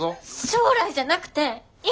将来じゃなくて今！